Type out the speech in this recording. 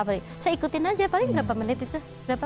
saya ikutin aja paling berapa menit itu